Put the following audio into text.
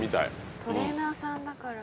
トレーナーさんだから。